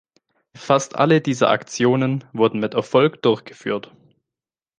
Fast alle dieser Aktionen wurden mit Erfolg durchgeführt.